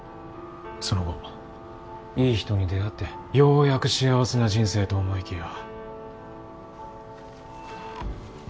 その後良い人に出会ってようやく幸せな人生と思いきや。